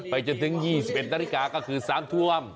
ไปจนถึง๒๑นาฬิกาก็คือสร้างท่วม